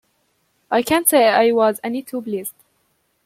I can't say I was any too pleased.